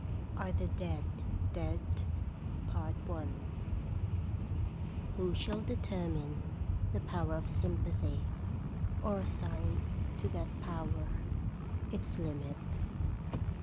'ARE THE DEAD DEAD?" ; "ARE THE DEAD DEAD?" Who shall determine the power of sympathy, or assign to that power its limit?